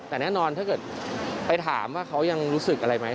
แต่แน่นอนถ้าเกิดไปถามว่าเขายังรู้สึกอะไรไหม